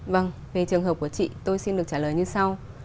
vâng về trường hợp của chị tôi xin được trả lời như sau